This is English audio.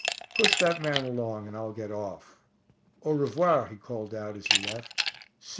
Push that man along, and I'll get off." "Au revoir," he called out as he left. "See you later."